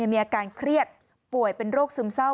มีอาการเครียดป่วยเป็นโรคซึมเศร้า